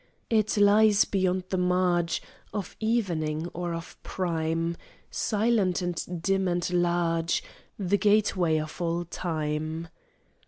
It lies beyond the marge Of evening or of prime, Silent and dim and large, The gateway of all time.